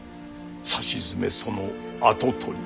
さしずめその跡取り。